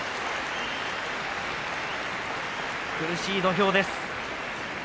苦しい土俵です。